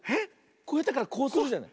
こうやってからこうするじゃない？